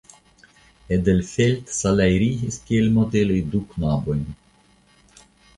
Edelfelt salajrigis kiel modeloj du knabojn.